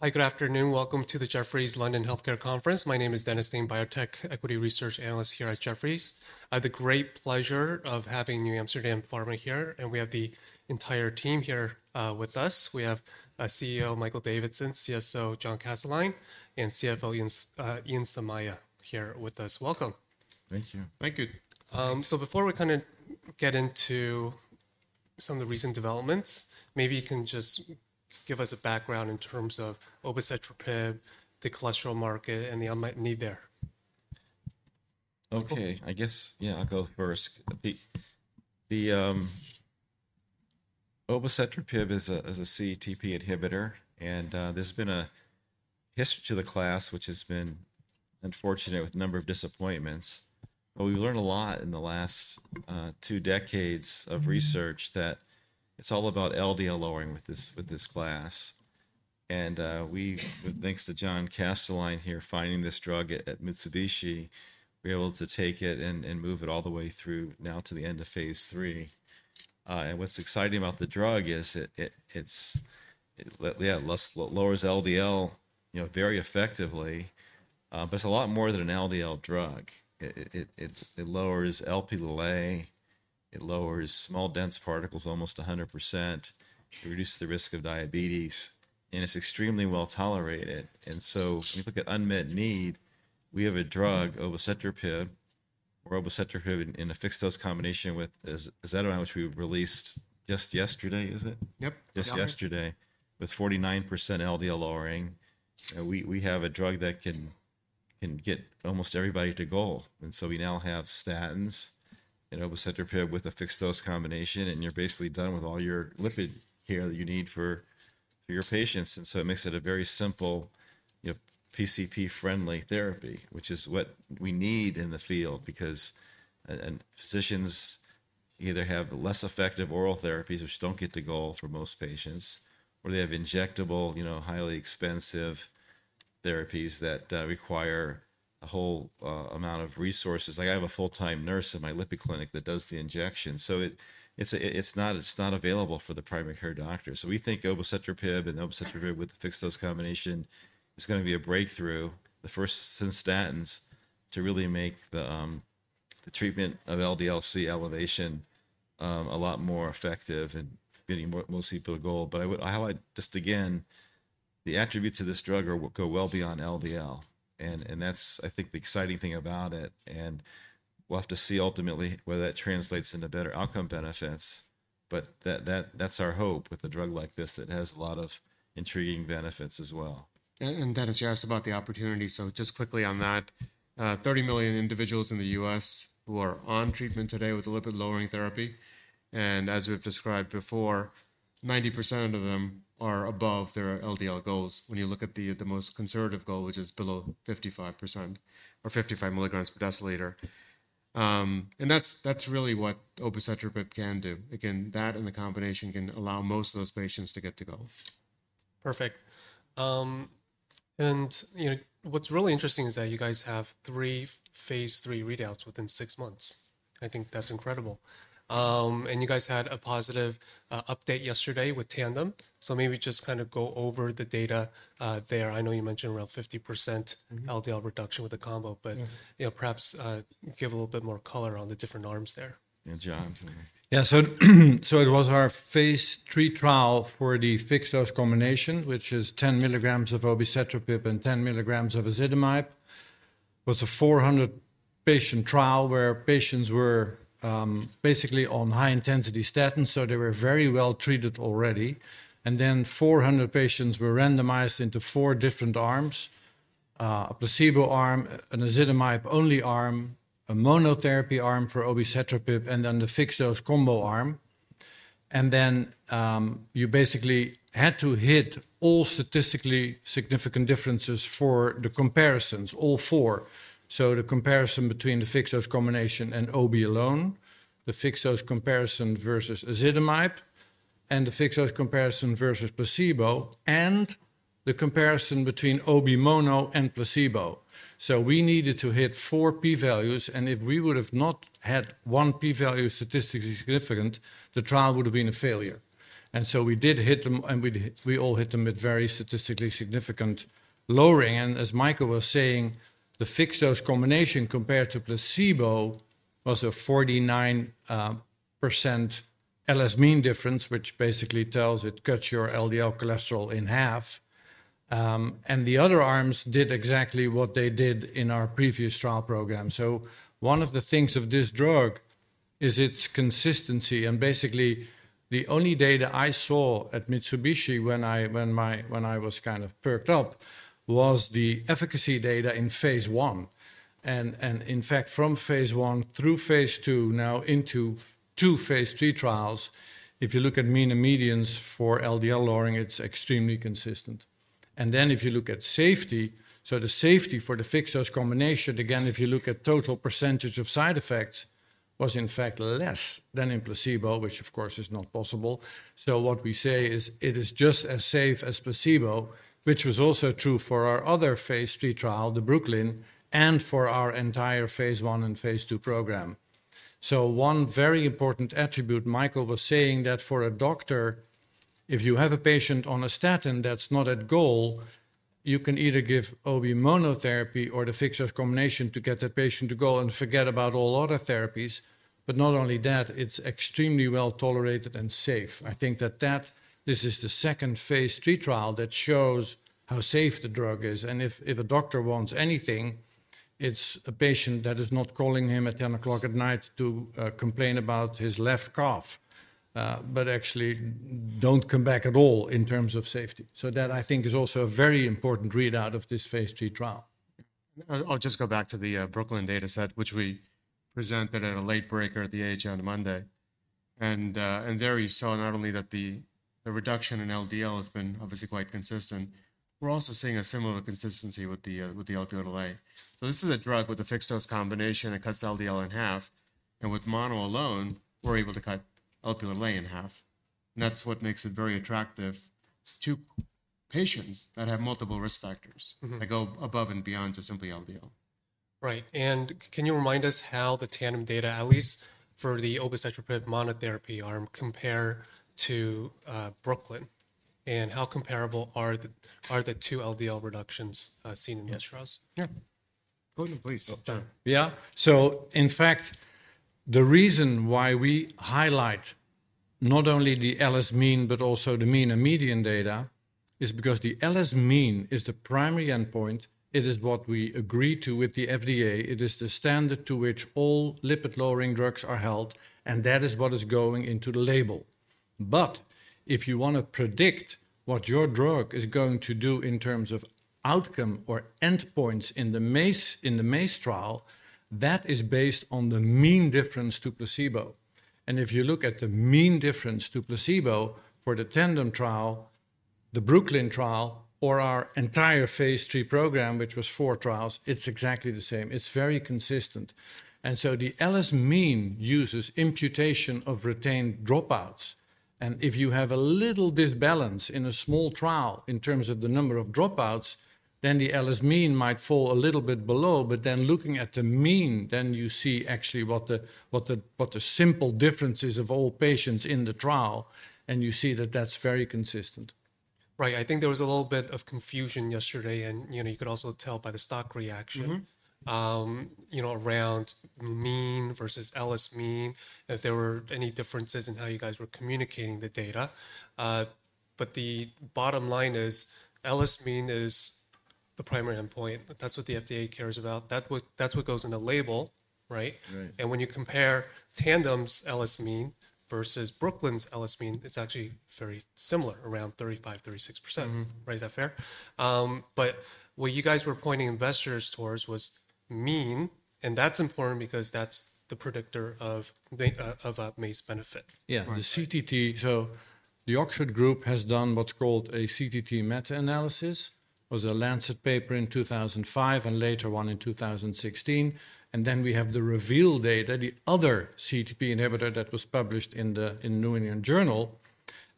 Hi, good afternoon. Welcome to the Jefferies London Healthcare Conference. My name is Dennis Ding, Biotech Equity Research Analyst here at Jefferies. I have the great pleasure of having NewAmsterdam Pharma here, and we have the entire team here with us. We have CEO Michael Davidson, CSO John Kastelein, and CFO Ian Somaiya here with us. Welcome. Thank you. Thank you. So before we kind of get into some of the recent developments, maybe you can just give us a background in terms of obicetrapib, the cholesterol market, and the unmet need there. Okay, I guess, yeah, I'll go first. The obicetrapib is a CETP inhibitor, and there's been a history to the class, which has been unfortunate with a number of disappointments. But we've learned a lot in the last two decades of research that it's all about LDL lowering with this class. And thanks to John Kastelein here, finding this drug at Mitsubishi, we're able to take it and move it all the way through now to the end of phase three. And what's exciting about the drug is it lowers LDL very effectively, but it's a lot more than an LDL drug. It lowers Lp(a). It lowers small dense particles almost 100%. It reduces the risk of diabetes, and it's extremely well tolerated. And so when you look at unmet need, we have a drug, obicetrapib, or obicetrapib in a fixed-dose combination with ezetimibe, which we released just yesterday, is it? Yep. Just yesterday, with 49% LDL lowering, we have a drug that can get almost everybody to goal, and so we now have statins and obicetrapib with a fixed dose combination, and you're basically done with all your lipid care that you need for your patients, and so it makes it a very simple PCP-friendly therapy, which is what we need in the field because physicians either have less effective oral therapies, which don't get the goal for most patients, or they have injectable, highly expensive therapies that require a whole amount of resources. Like I have a full-time nurse in my lipid clinic that does the injection, so it's not available for the primary care doctor. So we think obicetrapib and obicetrapib with the fixed dose combination is going to be a breakthrough, the first since statins, to really make the treatment of LDL-C elevation a lot more effective and getting most people to goal. But I would highlight just again, the attributes of this drug go well beyond LDL, and that's, I think, the exciting thing about it. And we'll have to see ultimately whether that translates into better outcome benefits, but that's our hope with a drug like this that has a lot of intriguing benefits as well. Dennis, you asked about the opportunity, so just quickly on that, 30 million individuals in the U.S. who are on treatment today with a lipid-lowering therapy, and as we've described before, 90% of them are above their LDL goals when you look at the most conservative goal, which is below 55 mg/dL. That's really what obicetrapib can do. Again, that and the combination can allow most of those patients to get to goal. Perfect. What's really interesting is that you guys have three phase 3 readouts within six months. I think that's incredible. You guys had a positive update yesterday with TANDEM, so maybe just kind of go over the data there. I know you mentioned around 50% LDL reduction with the combo, but perhaps give a little bit more color on the different arms there. Yeah, John. Yeah, so it was our phase 3 trial for the fixed-dose combination, which is 10 milligrams of obicetrapib and 10 milligrams of ezetimibe. It was a 400-patient trial where patients were basically on high-intensity statins, so they were very well treated already. And then 400 patients were randomized into four different arms: a placebo arm, an ezetimibe-only arm, a monotherapy arm for obicetrapib, and then the fixed-dose combo arm. And then you basically had to hit all statistically significant differences for the comparisons, all four. So the comparison between the fixed-dose combination and OB alone, the fixed-dose comparison versus ezetimibe, and the fixed-dose comparison versus placebo, and the comparison between OB mono and placebo. So we needed to hit four p-values, and if we would have not had one p-value statistically significant, the trial would have been a failure. And so we did hit them, and we all hit them with very statistically significant lowering. And as Michael was saying, the fixed-dose combination compared to placebo was a 49% LS mean difference, which basically tells it cuts your LDL cholesterol in half. And the other arms did exactly what they did in our previous trial program. So one of the things of this drug is its consistency. And basically, the only data I saw at Mitsubishi when I was kind of perked up was the efficacy data in phase 1. And in fact, from phase 1 through phase 2, now into two phase 3 trials, if you look at mean and medians for LDL lowering, it's extremely consistent. And then if you look at safety, so the safety for the fixed dose combination, again, if you look at total percentage of side effects, was in fact less than in placebo, which of course is not possible. So what we say is it is just as safe as placebo, which was also true for our other phase 3 trial, the BROOKLYN, and for our entire phase 1 and phase 2 program. So one very important attribute Michael was saying that for a doctor, if you have a patient on a statin that's not at goal, you can either give OB monotherapy or the fixed dose combination to get that patient to goal and forget about all other therapies. But not only that, it's extremely well tolerated and safe. I think that this is the second phase 3 trial that shows how safe the drug is. And if a doctor wants anything, it's a patient that is not calling him at 10:00 P.M. to complain about his left cough, but actually don't come back at all in terms of safety. So that, I think, is also a very important readout of this phase 3 trial. I'll just go back to the BROOKLYN data set, which we presented at a late breaker at the ACC Monday. And there you saw not only that the reduction in LDL has been obviously quite consistent, we're also seeing a similar consistency with the Lp(a). So this is a drug with a fixed dose combination that cuts LDL in half. And with mono alone, we're able to cut Lp(a) in half. And that's what makes it very attractive to patients that have multiple risk factors that go above and beyond just simply LDL. Right. And can you remind us how the TANDEM data, at least for the obicetrapib monotherapy arm, compare to BROOKLYN? And how comparable are the two LDL reductions seen in those trials? Yeah. Go ahead, please. Yeah. In fact, the reason why we highlight not only the LS mean, but also the mean and median data is because the LS mean is the primary endpoint. It is what we agree to with the FDA. It is the standard to which all lipid-lowering drugs are held, and that is what is going into the label. If you want to predict what your drug is going to do in terms of outcome or endpoints in the MACE trial, that is based on the mean difference to placebo. If you look at the mean difference to placebo for the Tandem trial, the Brooklyn trial, or our entire phase 3 program, which was four trials, it's exactly the same. It's very consistent. The LS mean uses imputation of retained dropouts. If you have a little imbalance in a small trial in terms of the number of dropouts, then the LS mean might fall a little bit below. Looking at the mean, then you see actually what the simple differences of all patients in the trial, and you see that that's very consistent. Right. I think there was a little bit of confusion yesterday, and you could also tell by the stock reaction around mean versus LS mean, if there were any differences in how you guys were communicating the data. But the bottom line is LS mean is the primary endpoint. That's what the FDA cares about. That's what goes in the label, right? And when you compare TANDEM's LS mean versus BROOKLYN's LS mean, it's actually very similar, around 35%, 36%. Right? Is that fair? But what you guys were pointing investors towards was mean, and that's important because that's the predictor of a MACE benefit. Yeah, the CTT. So the Oxford group has done what's called a CTT meta-analysis. It was a Lancet paper in 2005 and later one in 2016. And then we have the REVEAL data, the other CETP inhibitor that was published in the New England Journal.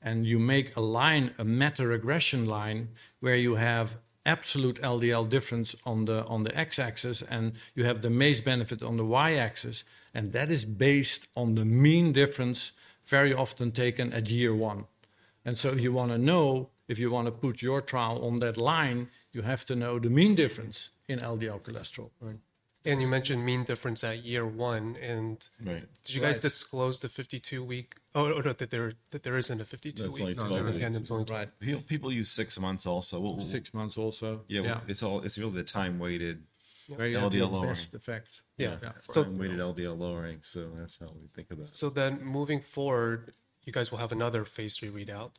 And you make a line, a meta-regression line where you have absolute LDL difference on the x-axis, and you have the MACE benefit on the y-axis. And that is based on the mean difference very often taken at year one. And so if you want to know, if you want to put your trial on that line, you have to know the mean difference in LDL cholesterol. You mentioned mean difference at year one. Did you guys disclose the 52-week or that there isn't a 52-week TANDEM? People use six months also. Six months also. Yeah, it's really the time-weighted LDL lowering. Yeah, time-weighted LDL lowering. So that's how we think about it. So then moving forward, you guys will have another phase 3 readout,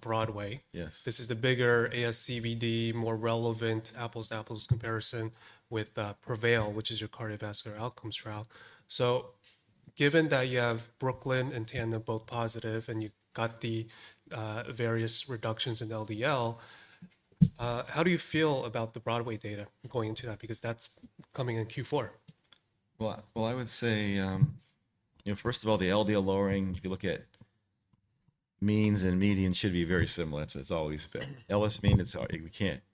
BROADWAY. This is the bigger ASCVD, more relevant apples-to-apples comparison with PREVAIL, which is your cardiovascular outcomes trial. So given that you have BROOKLYN and TANDEM both positive and you got the various reductions in LDL, how do you feel about the BROADWAY data going into that? Because that's coming in Q4. I would say, first of all, the LDL lowering, if you look at means and medians, should be very similar. It's always been. LS mean,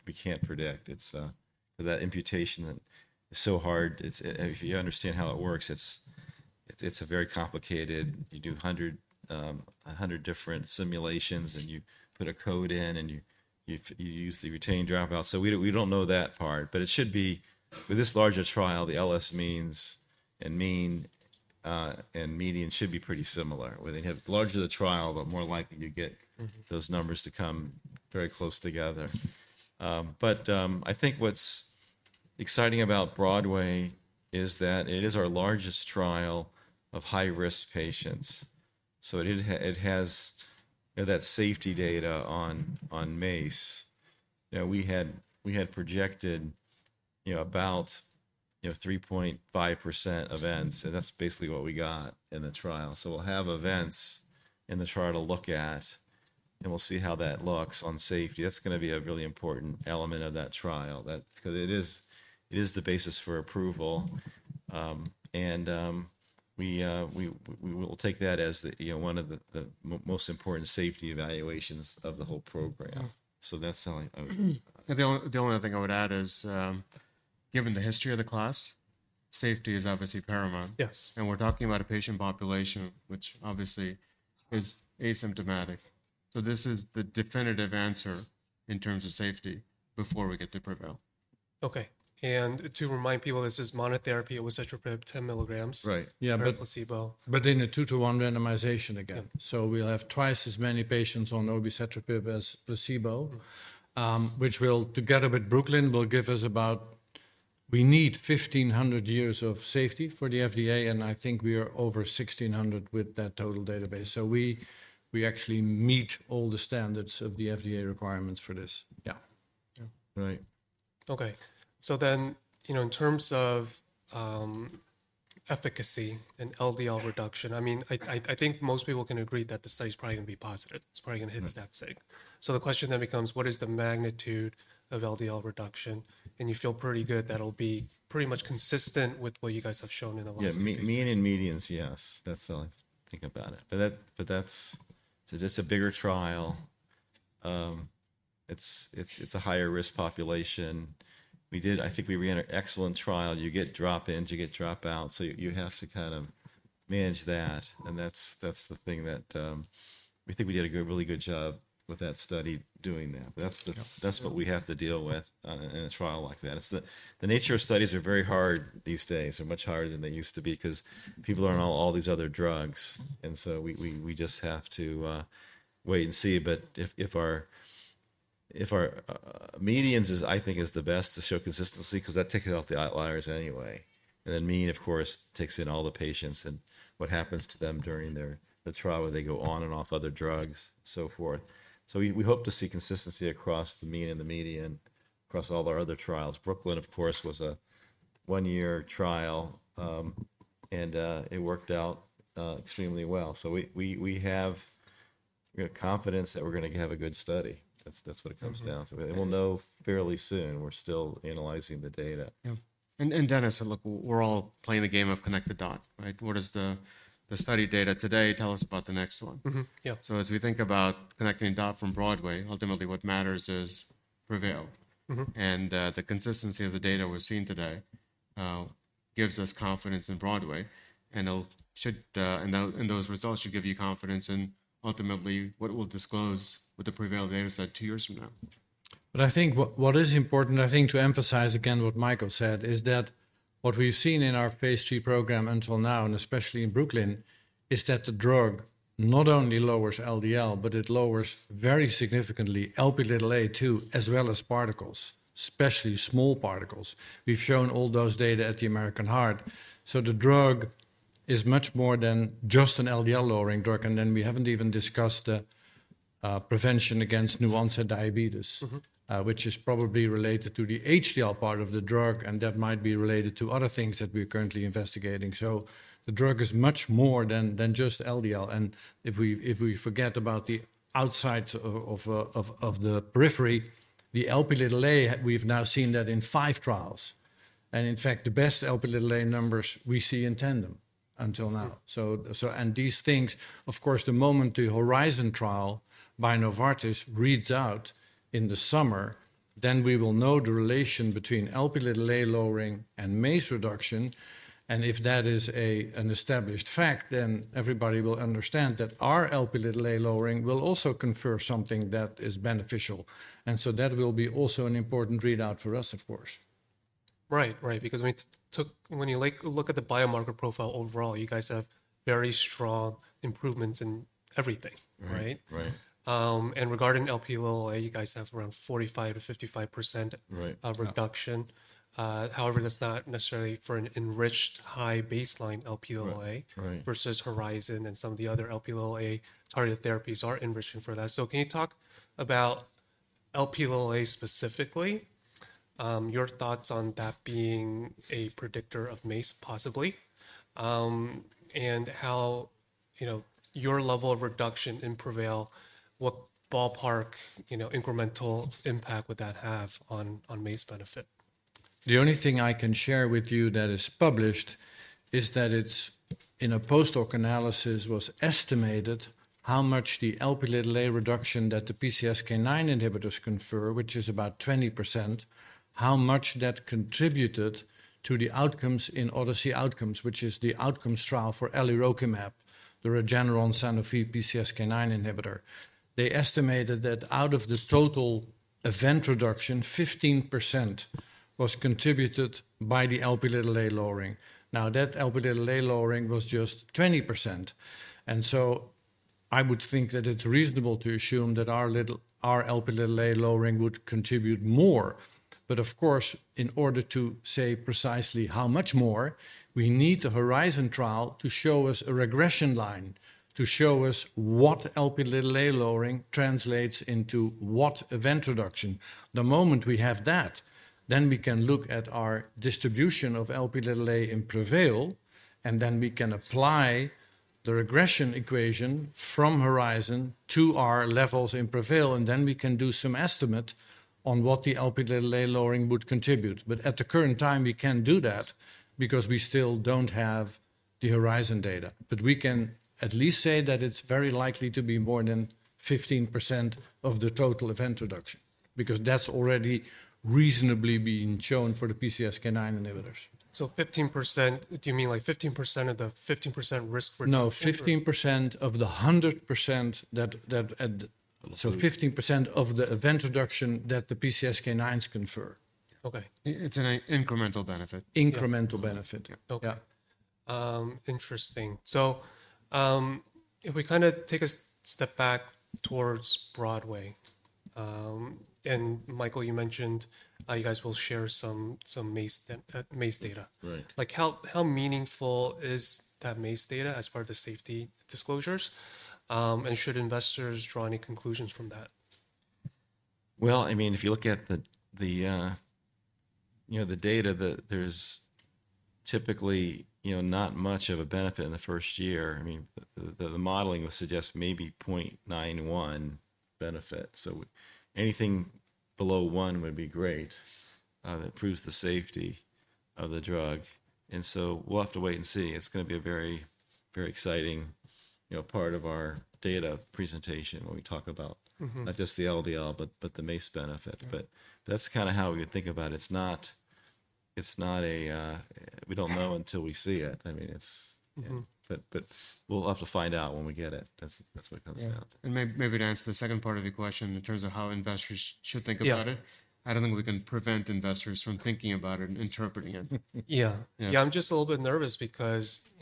we can't predict. That imputation is so hard. If you understand how it works, it's very complicated. You do 100 different simulations, and you put a code in, and you use the retained dropout. So we don't know that part, but it should be with this larger trial, the LS means and mean and median should be pretty similar. When they have larger the trial, but more likely you get those numbers to come very close together. But I think what's exciting about BROADWAY is that it is our largest trial of high-risk patients. So it has that safety data on MACE. We had projected about 3.5% events, and that's basically what we got in the trial. We'll have events in the trial to look at, and we'll see how that looks on safety. That's going to be a really important element of that trial because it is the basis for approval. We will take that as one of the most important safety evaluations of the whole program. That's how. The only other thing I would add is given the history of the class, safety is obviously paramount, and we're talking about a patient population, which obviously is asymptomatic, so this is the definitive answer in terms of safety before we get to PREVAIL. Okay, and to remind people, this is monotherapy, obicetrapib 10 milligrams and placebo. But in a two-to-one randomization again. So we'll have twice as many patients on obicetrapib as placebo, which together with BROOKLYN will give us about, we need 1,500 years of safety for the FDA, and I think we are over 1,600 with that total database. So we actually meet all the standards of the FDA requirements for this. Yeah. Right. Okay. So then in terms of efficacy and LDL reduction, I mean, I think most people can agree that the study is probably going to be positive. It's probably going to hit stats. So the question then becomes, what is the magnitude of LDL reduction? And you feel pretty good that'll be pretty much consistent with what you guys have shown in the last few years. Yeah, mean and medians, yes. That's how I think about it. But that's a bigger trial. It's a higher risk population. I think we ran an excellent trial. You get drop-ins, you get dropouts. So you have to kind of manage that. And that's the thing that we think we did a really good job with that study doing that. That's what we have to deal with in a trial like that. The nature of studies are very hard these days, are much harder than they used to be because people are on all these other drugs. And so we just have to wait and see. But if our medians, I think, is the best to show consistency because that takes out the outliers anyway. Mean, of course, takes in all the patients and what happens to them during their trial where they go on and off other drugs and so forth. We hope to see consistency across the mean and the median across all our other trials. Brooklyn, of course, was a one-year trial, and it worked out extremely well. We have confidence that we're going to have a good study. That's what it comes down to. We'll know fairly soon. We're still analyzing the data. Yeah. And Dennis, look, we're all playing the game of connect the dots. What is the study data today? Tell us about the next one. So as we think about connecting the dots from BROADWAY, ultimately what matters is PREVAIL. And the consistency of the data we're seeing today gives us confidence in BROADWAY. And those results should give you confidence in ultimately what we'll disclose with the PREVAIL data set two years from now. But I think what is important, I think to emphasize again what Michael said, is that what we've seen in our phase three program until now, and especially in BROOKLYN, is that the drug not only lowers LDL, but it lowers very significantly Lp(a) too as well as particles, especially small particles. We've shown all those data at the American Heart Association. So the drug is much more than just an LDL-lowering drug. And then we haven't even discussed the prevention against new-onset diabetes, which is probably related to the HDL part of the drug, and that might be related to other things that we're currently investigating. So the drug is much more than just LDL. And if we forget about the outsides of the periphery, the Lp(a) we've now seen that in five trials. And in fact, the best Lp(a) numbers we see in TANDEM until now. These things, of course, the moment the HORIZON trial by Novartis reads out in the summer, then we will know the relation between Lp(a) lowering and MACE reduction. If that is an established fact, then everybody will understand that our Lp(a) lowering will also confer something that is beneficial. That will be also an important readout for us, of course. Right, right. Because when you look at the biomarker profile overall, you guys have very strong improvements in everything, right? And regarding Lp(a), you guys have around 45%-55% reduction. However, that's not necessarily for an enriched high baseline Lp(a) versus HORIZON and some of the other Lp(a) target therapies are enriching for that. So can you talk about Lp(a) specifically, your thoughts on that being a predictor of MACE possibly, and how your level of reduction in PREVAIL, what ballpark incremental impact would that have on MACE benefit? The only thing I can share with you that is published is that in a post-hoc analysis was estimated how much the Lp(a) reduction that the PCSK9 inhibitors confer, which is about 20%, how much that contributed to the outcomes in ODYSSEY OUTCOMES, which is the outcomes trial for alirocumab, the Regeneron Sanofi PCSK9 inhibitor. They estimated that out of the total event reduction, 15% was contributed by the Lp(a) lowering. Now, that Lp(a) lowering was just 20%. And so I would think that it's reasonable to assume that our Lp(a) lowering would contribute more. But of course, in order to say precisely how much more, we need the HORIZON trial to show us a regression line to show us what Lp(a) lowering translates into what event reduction. The moment we have that, then we can look at our distribution of Lp(a) in PREVAIL, and then we can apply the regression equation from HORIZON to our levels in PREVAIL, and then we can do some estimate on what the Lp(a) lowering would contribute. But at the current time, we can't do that because we still don't have the HORIZON data. But we can at least say that it's very likely to be more than 15% of the total event reduction because that's already reasonably being shown for the PCSK9 inhibitors. So 15%, do you mean like 15% of the 15% risk? No, 15% of the 100% that. So 15% of the event reduction that the PCSK9s confer. Okay. It's an incremental benefit. Incremental benefit. Okay. Interesting. So if we kind of take a step back towards BROADWAY, and Michael, you mentioned you guys will share some MACE data. How meaningful is that MACE data as far as the safety disclosures? And should investors draw any conclusions from that? I mean, if you look at the data, there's typically not much of a benefit in the first year. I mean, the modeling would suggest maybe 0.91 benefit. Anything below one would be great that proves the safety of the drug. We'll have to wait and see. It's going to be a very exciting part of our data presentation when we talk about not just the LDL, but the MACE benefit. That's kind of how we would think about it. It's not a we don't know until we see it. I mean, we'll have to find out when we get it. That's what it comes down to. Maybe to answer the second part of your question in terms of how investors should think about it, I don't think we can prevent investors from thinking about it and interpreting it. Yeah. Yeah, I'm just a little bit nervous because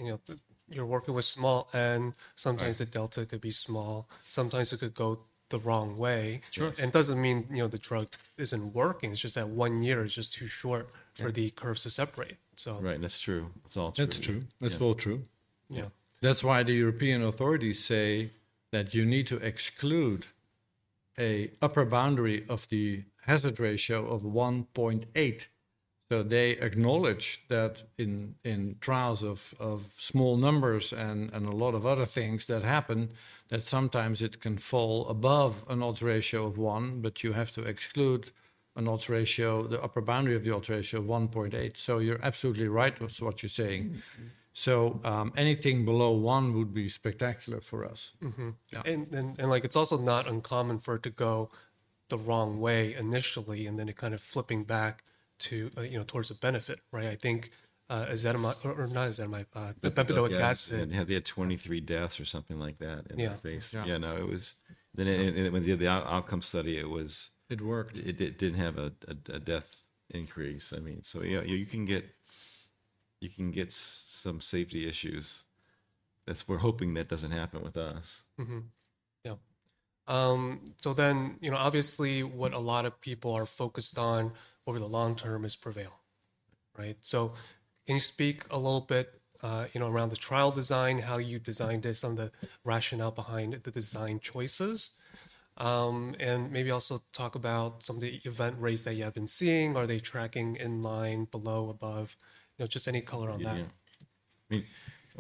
you're working with small N, sometimes the delta could be small, sometimes it could go the wrong way. And it doesn't mean the drug isn't working. It's just that one year is just too short for the curves to separate. Right, that's true. It's all true. That's true. That's all true. Yeah. That's why the European authorities say that you need to exclude an upper boundary of the hazard ratio of 1.8. So they acknowledge that in trials of small numbers and a lot of other things that happen, that sometimes it can fall above an odds ratio of one, but you have to exclude an odds ratio, the upper boundary of the odds ratio of 1.8. So you're absolutely right with what you're saying. So anything below one would be spectacular for us. It's also not uncommon for it to go the wrong way initially, and then it kind of flipping back towards a benefit, right? I think ezetimibe, or not ezetimibe, obicetrapib. Yeah, they had 23 deaths or something like that in their phase. Yeah, no, it was the outcome study, it was. It worked. It didn't have a death increase. I mean, so you can get some safety issues. We're hoping that doesn't happen with us. Yeah. So then obviously what a lot of people are focused on over the long term is PREVAIL, right? So can you speak a little bit around the trial design, how you designed this, some of the rationale behind the design choices, and maybe also talk about some of the event rates that you have been seeing? Are they tracking in line, below, above, just any color on that? Yeah. I mean,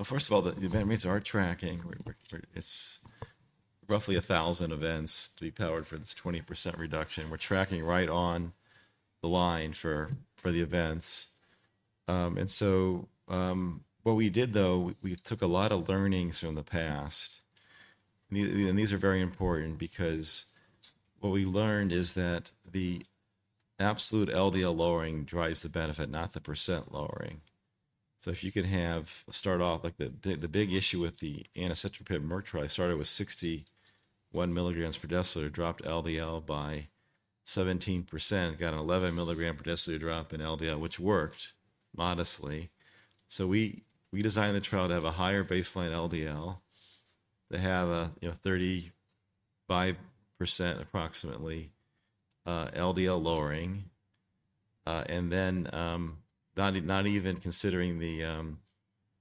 first of all, the event rates are tracking. It's roughly 1,000 events to be powered for this 20% reduction. We're tracking right on the line for the events. And so what we did, though, we took a lot of learnings from the past. And these are very important because what we learned is that the absolute LDL lowering drives the benefit, not the percent lowering. So if you can have start off, the big issue with the anacetrapib Merck trial started with 61 milligrams per deciliter, dropped LDL by 17%, got an 11 milligram per deciliter drop in LDL, which worked modestly. So we designed the trial to have a higher baseline LDL, to have a 35% approximately LDL lowering, and then not even considering the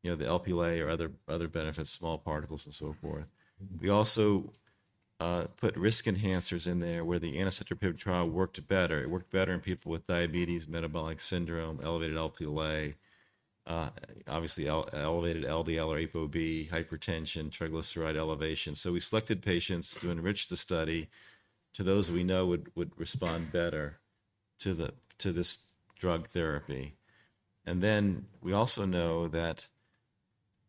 Lp(a) or other benefits, small particles and so forth. We also put risk enhancers in there where the anacetrapib trial worked better. It worked better in people with diabetes, metabolic syndrome, elevated Lp(a), obviously elevated LDL or ApoB, hypertension, triglyceride elevation, so we selected patients to enrich the study to those we know would respond better to this drug therapy, and then we also know that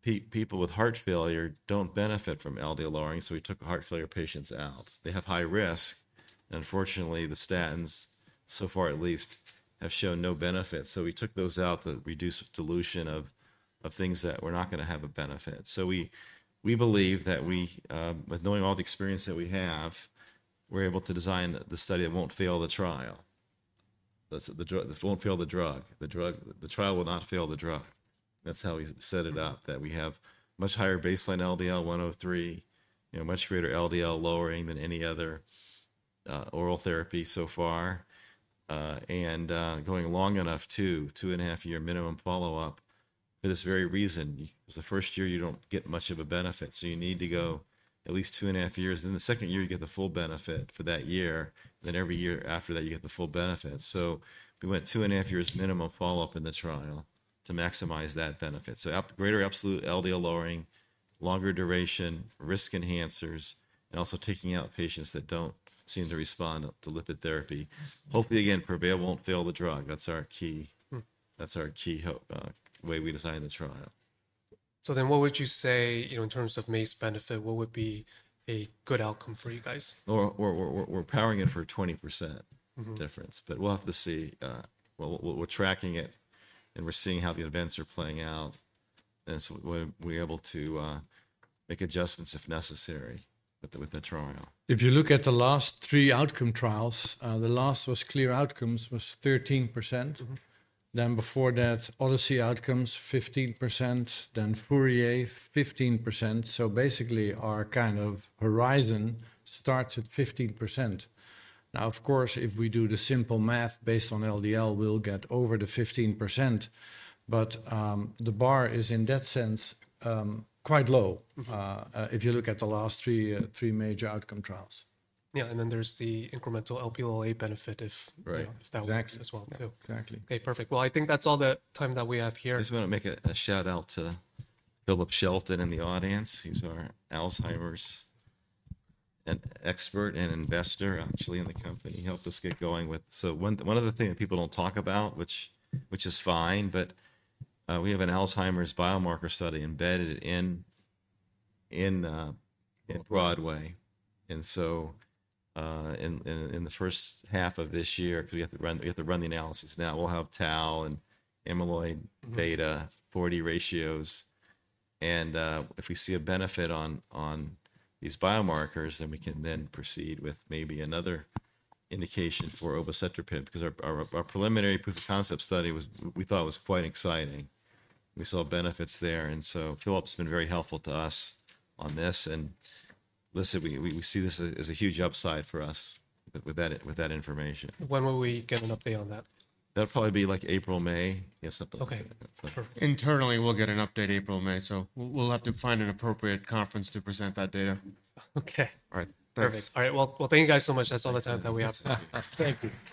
people with heart failure don't benefit from LDL lowering, so we took heart failure patients out. They have high risk, and unfortunately, the statins, so far at least, have shown no benefit, so we took those out to reduce dilution of things that were not going to have a benefit, so we believe that with knowing all the experience that we have, we're able to design the study that won't fail the trial. That won't fail the drug. The trial will not fail the drug. That's how we set it up, that we have much higher baseline LDL, 103, much greater LDL lowering than any other oral therapy so far, and going long enough too, two and a half year minimum follow-up for this very reason. It's the first year you don't get much of a benefit, so you need to go at least two and a half years, then the second year, you get the full benefit for that year, then every year after that, you get the full benefit, so we went two and a half years minimum follow-up in the trial to maximize that benefit, so greater absolute LDL lowering, longer duration, risk enhancers, and also taking out patients that don't seem to respond to lipid therapy. Hopefully, again, PREVAIL won't fail the drug. That's our key. That's our key hope, the way we designed the trial. So then what would you say in terms of MACE benefit, what would be a good outcome for you guys? Or we're powering it for a 20% difference, but we'll have to see. We're tracking it, and we're seeing how the events are playing out. And so we're able to make adjustments if necessary with the trial. If you look at the last three outcome trials, the last was CLEAR Outcomes was 13%. Then before that, ODYSSEY OUTCOMES, 15%, then FOURIER, 15%. So basically, our kind of horizon starts at 15%. Now, of course, if we do the simple math based on LDL, we'll get over the 15%. But the bar is, in that sense, quite low if you look at the last three major outcome trials. Yeah. And then there's the incremental Lp(a) benefit if that works as well too. Exactly. Okay, perfect. Well, I think that's all the time that we have here. I just want to make a shout out to Philip Scheltens in the audience. He's our Alzheimer's expert and investor, actually, in the company. He helped us get going with. So one other thing that people don't talk about, which is fine, but we have an Alzheimer's biomarker study embedded in BROADWAY. And so in the first half of this year, because we have to run the analysis now, we'll have tau and amyloid beta 40 ratios. And if we see a benefit on these biomarkers, then we can then proceed with maybe another indication for obicetrapib because our preliminary proof of concept study, we thought it was quite exciting. We saw benefits there. And so Philip's been very helpful to us on this. And listen, we see this as a huge upside for us with that information. When will we get an update on that? That'll probably be like April, May, something like that. Okay. Internally, we'll get an update April, May. So we'll have to find an appropriate conference to present that data. Okay. All right. Perfect. All right. Well, thank you guys so much. That's all the time that we have. Thank you.